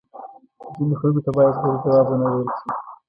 ځینو خلکو ته باید زر جواب وه نه ویل شې